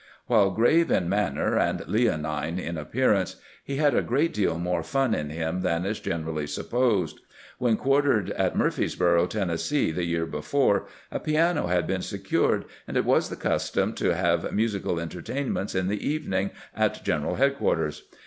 While grave in manner and leonine in appearance, he had a great deal more fun in him than is generally supposed. When quartered at Mur freesboro, Tennessee, the year before, a piano had been secured, and it was the custom to have musical enter tainments in the evening at general headquarters.